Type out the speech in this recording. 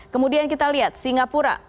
kemudian kita lihat singapura